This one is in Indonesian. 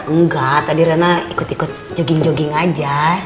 enggak tadi rana ikut ikut jogging jogging aja